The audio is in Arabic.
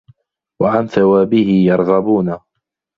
وَعَنْ ثَوَابِهِ يَرْغَبُونَ